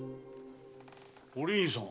お凛さん？